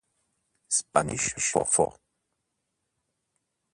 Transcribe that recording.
Spanish Fort